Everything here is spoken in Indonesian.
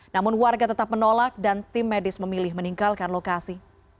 namun warga tetap menolak dan tim medis memilih meninggalkan lokasi